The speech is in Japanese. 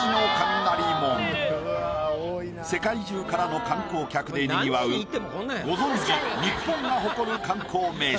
世界中からの観光客でにぎわうご存じ日本が誇る観光名所。